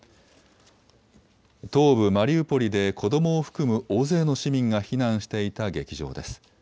東部マリウポリで子どもを含む大勢の市民が避難していた劇場です。